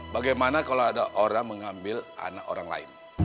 bagaimana kalau ada orang mengambil anak orang lain